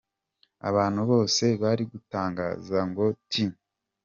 Abantu bose bari gutangaza ngo ‘T.